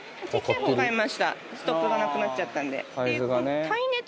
ストックがなくなっちゃったんで。